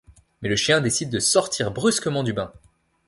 Mais le chien décide de sortir brusquement du bain.